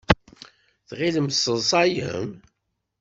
Tɣilem tesseḍsayem?